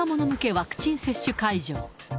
ワクチン接種会場。